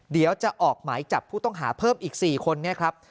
เดี๋ยวจะออกหมายจับผู้ต้องหาเพิ่มอีก๔คนเนี่ยครับ